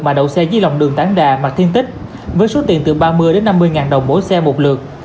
mà đổ xe dưới lòng đường tán đà mặt thiên tích với số tiền từ ba mươi năm mươi ngàn đồng mỗi xe một lượt